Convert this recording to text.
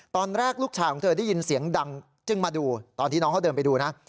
ตอนแรกลูกชายของเธอได้ยินเสียงดังจึงมาดูตอนที่น้องเขาเดินไปดูนะ